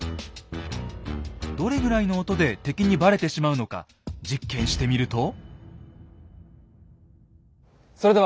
どれぐらいの音で敵にバレてしまうのか実験してみると。